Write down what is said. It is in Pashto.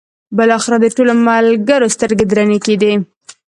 بالاخره د ټولو ملګرو سترګې درنې کېدې.